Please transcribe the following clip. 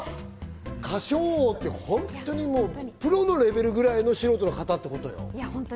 『歌唱王』って本当にプロのレベルぐらいの素人の方よ。